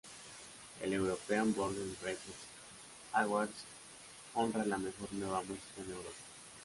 El European Border Breakers Awards honra la mejor nueva música en Europa.